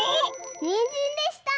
にんじんでした！